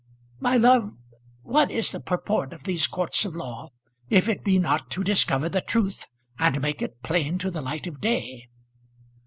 My love, what is the purport of these courts of law if it be not to discover the truth, and make it plain to the light of day?"